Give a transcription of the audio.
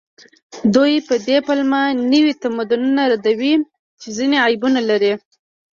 دوی په دې پلمه نوي تمدن ردوي چې ځینې عیبونه لري